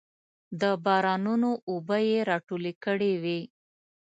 د بارانونو اوبه یې راټولې کړې وې.